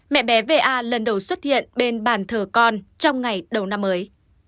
mẹ bé va lần đầu xuất hiện bên bàn thờ con trong ngày đầu năm mới